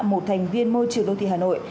một thành viên môi trường đô thị hà nội